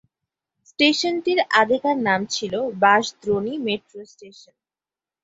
স্টেশনটির আগেকার নাম ছিল বাঁশদ্রোণী মেট্রো স্টেশন।